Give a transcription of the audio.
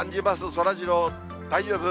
そらジロー、大丈夫？